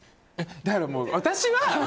だから、私は。